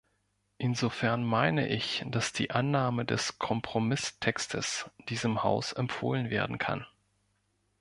Insofern meine ich, dass die Annahme des Kompromisstextes diesem Haus empfohlen werden kann.